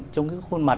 trong cái khuôn mặt